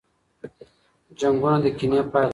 جنګونه د کینې پایله ده.